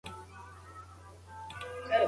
تاسي باید د خپلو دوستانو له نېکۍ مننه وکړئ.